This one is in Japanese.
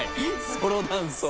ソロダンス。